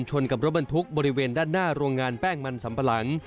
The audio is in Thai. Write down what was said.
กับรถบรรทุกบริเวณด้านหน้าโรงงานแป้งมันสัมปะหลัง